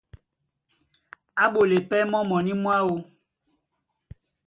Á ɓole pɛ́ mɔ́ mɔní mwáō.